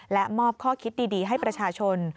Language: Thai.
และมอบข้อคิดดีให้ประชาชน